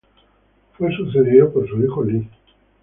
Fue sucedido por su hijo, Li.